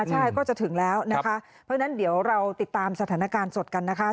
ใช่ก็จะถึงแล้วนะคะเพราะฉะนั้นเดี๋ยวเราติดตามสถานการณ์สดกันนะคะ